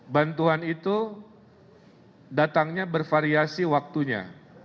bantuan itu datangnya bervariasi waktunya